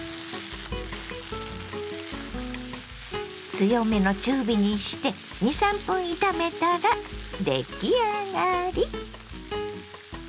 強めの中火にして２３分炒めたら出来上がり。